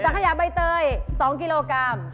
ขยะใบเตย๒กิโลกรัม